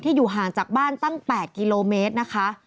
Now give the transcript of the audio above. อยู่ห่างจากบ้านตั้ง๘กิโลเมตรนะคะ